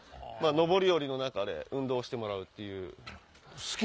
上り下りの中で運動してもらうっていう。